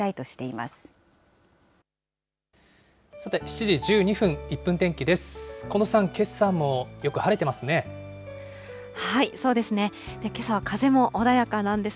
まさて７時１２分、１分天気です。